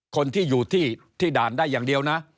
คนที่อยู่ที่ด่านได้อย่างเดียวนะ